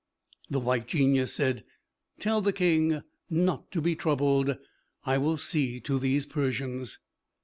'" The White Genius said, "Tell the King not to be troubled; I will see to these Persians."